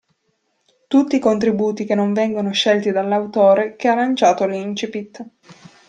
Tutti i contributi che non vengono scelti dall'autore che ha lanciato l'incipit.